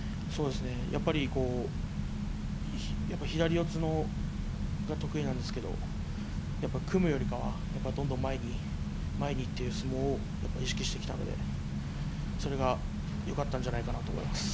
やっぱり左四つが得意なんですけど組むよりかはどんどん前に前にという相撲を意識してきたのでそれがよかったんじゃないかなと思います。